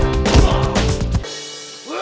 kau harus hafal penuh ya